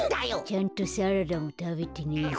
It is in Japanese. ちゃんとサラダもたべてね。